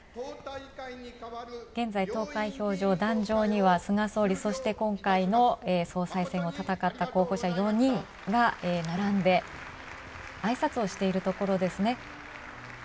現在、投開票場、壇上には菅総理、そして今回の総裁選を戦った候補者４人が並んであいさつをしているところですね。